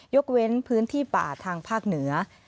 ยกเว้นพื้นที่ป่าทางภาคเหนือ